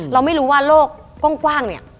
เราไม่รู้ว่าโลกกว้างเนี่ย